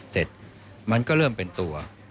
เสร็จมันก็เริ่มเป็นตัว